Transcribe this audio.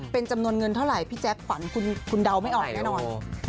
เป็นจำนวนเงินเท่าไหร่พี่แจ๊คขวัญคุณเดาไม่ออกแน่นอน